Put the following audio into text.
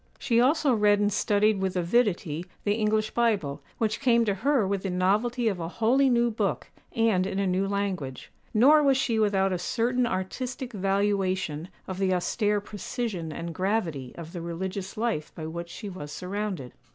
She also read and studied with avidity the English Bible, which came to her with the novelty of a wholly new book, and in a new language; nor was she without a certain artistic valuation of the austere precision and gravity of the religious life by which she was surrounded.